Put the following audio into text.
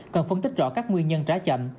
cần phân tích rõ các nguyên nhân trá chậm